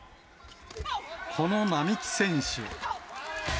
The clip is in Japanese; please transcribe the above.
この並木選手。